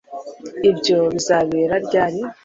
ibyo bizabera ryari